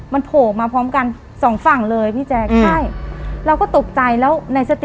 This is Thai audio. มันโผล่มาพร้อมกันสองฝั่งเลยพี่แจ๊คใช่เราก็ตกใจแล้วในสติ